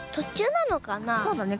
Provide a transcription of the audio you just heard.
そうだね。